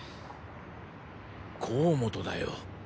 甲本だよ。